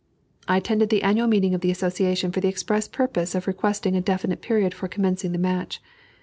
I attended the annual meeting of the Association for the express purpose of requesting a definite period for commencing the match.